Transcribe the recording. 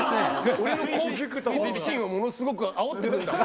俺の好奇心をものすごくあおってくる。